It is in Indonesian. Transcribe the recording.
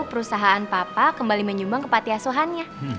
perusahaan papa kembali menyumbang ke pati asuhannya